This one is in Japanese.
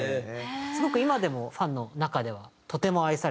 すごく今でもファンの中ではとても愛されて。